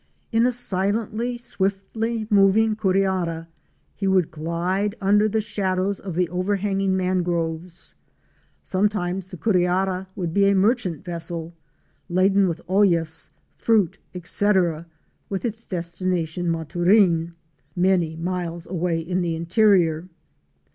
In a silently, swiftly moving curiara he would glide under the shadows of the overhanging mangroves. Sometimes the curiara would be a merchant vessel, laden with ollas, fruit, etc., with its destination Maturin, many miles away in the interior.